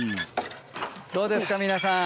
どうですか皆さん。